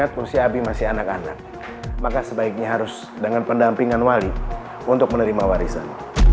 tapi abie masih anak anak maka sebaiknya harus dengan pendampingan wali untuk menerima warisan